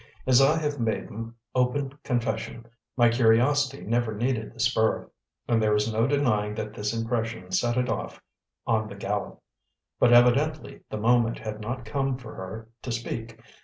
As I have made open confession, my curiosity never needed the spur; and there is no denying that this impression set it off on the gallop; but evidently the moment had not come for her to speak.